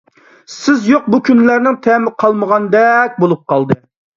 سىز يوق بۇ كۈنلەرنىڭ تەمى قالمىغاندەك بولۇپ قالدى.